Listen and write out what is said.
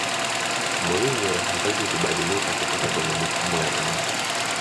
mourinho hataki kubadilika kutoka kwenye mifumo ya zamani